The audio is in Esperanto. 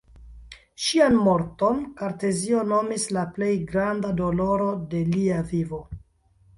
Ŝian morton Kartezio nomis la plej granda doloro de lia vivo.